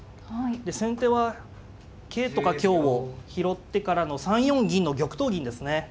で先手は桂とか香を拾ってからの３四銀の玉頭銀ですね。